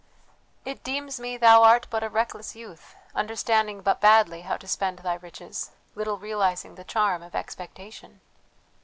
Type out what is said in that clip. "It deems me thou art but a reckless youth, understanding but badly how to spend thy riches, little realizing the charm of expectation!"